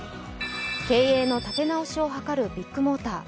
経営の立て直しを図るビッグモーター。